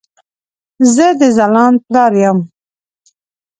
زه د ځلاند پلار يم